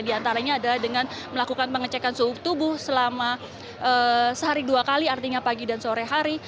di antaranya adalah dengan melakukan pengecekan suhu tubuh selama sehari dua kali artinya pagi dan sore hari